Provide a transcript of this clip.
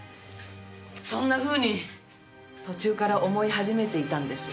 そんなふうに途中から思い始めていたんです。